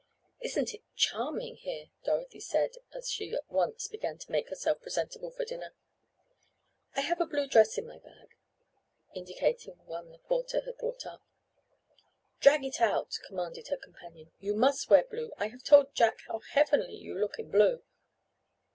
"Isn't it charming here," Dorothy said as she at once began to make herself presentable for dinner. "I have a blue dress in my bag," indicating one the porter had brought up. "Drag it out," commanded her companion. "You must wear blue. I have told Jack how heavenly you look in blue."